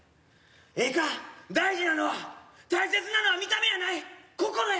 ええか「大事なのは大切なのは見た目やない心や！